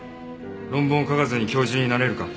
論文を書かずに教授になれるか？